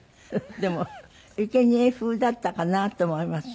でも生贄風だったかなと思います。